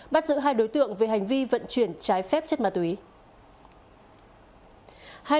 bắt giữ hai đối tượng về hành vi vận chuyển trái phép chất ma túy